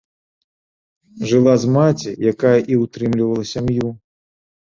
Жыла з маці, якая і ўтрымлівала сям'ю.